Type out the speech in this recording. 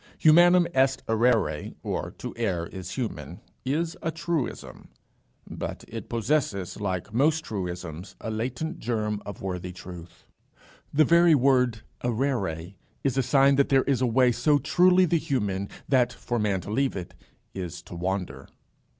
Humanum est errare is a truism; but it possesses, like most truisms, a latent germ of worthy truth. The very word errare is a sign that there is a way so truly the human that, for a man to leave it, is to wander.